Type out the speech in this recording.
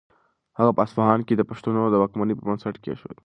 هغه په اصفهان کې د پښتنو د واکمنۍ بنسټ کېښود.